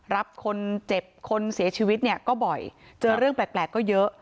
รับคนเจ็บคนเสียชีวิตเนี่ยก็บ่อยเจอเรื่องแปลกก็เยอะ